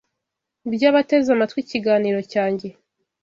by’abateze amatwi ikiganiro cyanjye